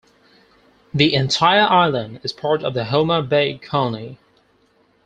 The entire island is part of the Homa Bay County.